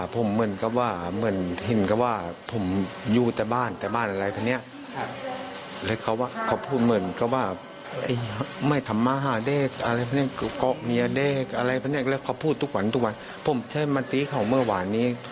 ผมกำลังทีเขามาและตีเขาเมื่อวานเอง